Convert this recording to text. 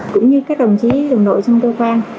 cũng như các đồng chí đồng đội trong cơ quan